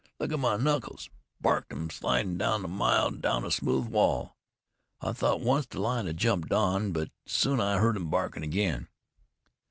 Look at my knuckles! Barked em slidin' about a mile down a smooth wall. I thought once the lion had jumped Don, but soon I heard him barkin' again.